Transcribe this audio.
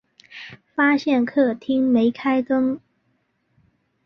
发现客厅没开灯